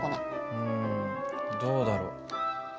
うんどうだろう？